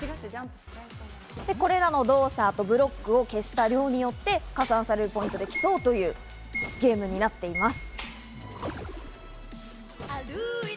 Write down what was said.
これらの動作、ブロックを消した量によって加算されるポイントで競うゲームとなっています。